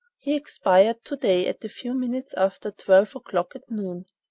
He expired to day at a few minutes after twelve o'clock, at noon.